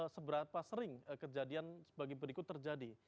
seberapa sering kejadian sebagai berikut terjadi